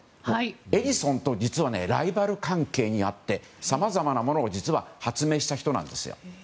エジソンとライバル関係にあってさまざまなものを実は発明した人なんです。